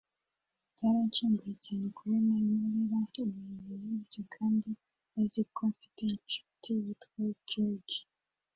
Byaranshenguye cyane kubona ankorera ibintu nk’inyo kandi azi ko mfite inshuti yitwa George